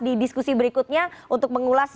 di diskusi berikutnya untuk mengulas